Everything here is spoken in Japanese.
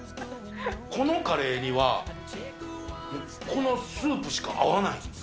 このカレーには、このスープしか合わない。